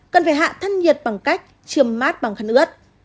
cần phải hạ thân nhiệt bằng cách chươm mát bằng khăn ướt